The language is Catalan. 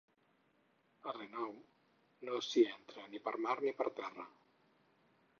A Renau no s'hi entra ni per mar ni per terra.